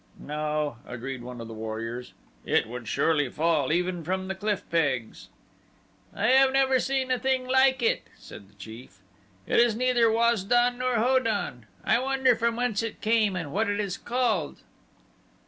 "No," agreed one of the warriors, "it would surely fall even from the cliff pegs." "I have never seen a thing like it," said the chief. "It is neither Waz don nor Ho don. I wonder from whence it came and what it is called."